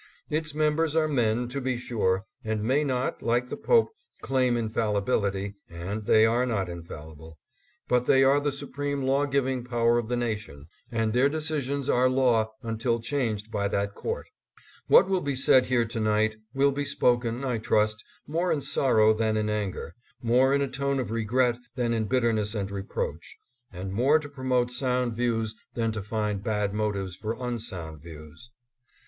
Its members are men, to be sure, and may not, like the Pope, claim infallibil ity, and they are not infallible, but they are the supreme law giving power of the nation, and their decisions are law until changed by that court. What will be said here to night will be spoken, I trust, more in sorrow than in anger ; more in a tone of regret than in bitterness and reproach, and more to pro mote sound views than to find bad motives for unsound views.